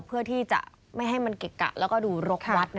เพื่อที่จะไม่ให้มันเกะกะแล้วก็ดูรกวัด